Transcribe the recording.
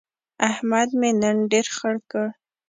احمد مې نن ډېر خړ کړ.